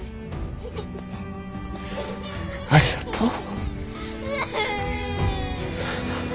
ありがとう。